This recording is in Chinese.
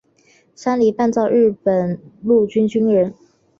山梨半造日本陆军军人。